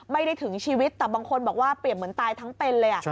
ไม่ได้ถึงชีวิตแต่บางคนบอกว่าเปรียบเหมือนตายทั้งเป็นเลย